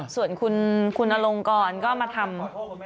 ส่วนคุณอลงกรก็มาทำ